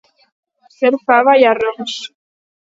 Ser fava i arròs.